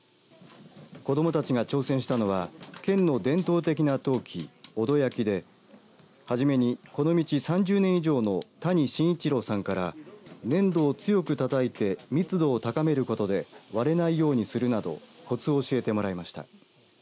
子どもたちが挑戦したのは県の伝統的な陶器、尾戸焼で初めにこの道３０年以上の谷信一郎さんから粘土を強くたたいて密度を高めることで割れないようにするなどこつを教えてもらいました。